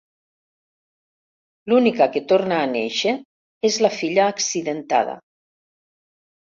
L'única que torna a néixer és la filla accidentada.